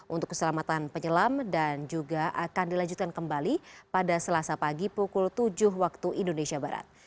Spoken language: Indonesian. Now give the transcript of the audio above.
untuk keselamatan penyelam dan juga akan dilanjutkan kembali pada selasa pagi pukul tujuh waktu indonesia barat